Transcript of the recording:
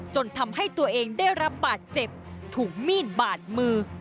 จนทำให้ตัวเองได้รับบาดเจ็บถูกมีดบาดมือ